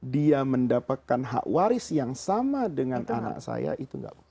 dia mendapatkan hak waris yang sama dengan anak saya itu nggak